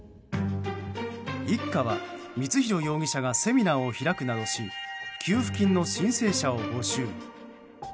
一家は、光弘容疑者がセミナーを開くなどし給付金の申請者を募集。